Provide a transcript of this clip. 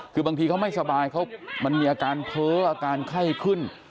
คือบางทีเขาไม่สบายเขามันมีอาการเพ้ออาการไข้ขึ้น